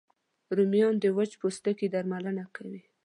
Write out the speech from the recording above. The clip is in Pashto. رومیان د وچ پوستکي درملنه کوي